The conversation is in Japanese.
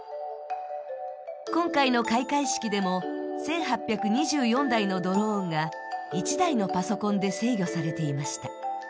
今回の開会式でも、１８２４台のドローンが１台のパソコンで制御されていました。